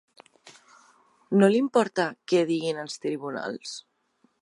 No li importa què diguin els tribunals?